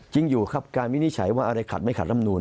จริงอยู่ครับการวินิจฉัยว่าอะไรขัดไม่ขัดลำนูน